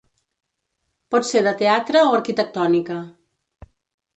Pot ser de teatre o arquitectònica.